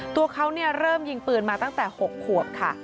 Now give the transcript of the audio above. ตัวเขาเริ่มยิงปืนมาตั้งแต่๖ขวบค่ะ